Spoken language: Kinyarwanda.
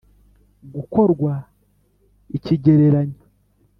gukorwa ikigereranyo